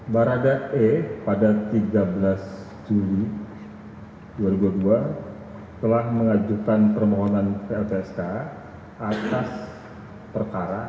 barada e pada tiga belas juli dua ribu dua puluh dua telah mengajukan permohonan lpsk atas perkara